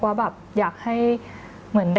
ว่าแบบอยากให้เหมือน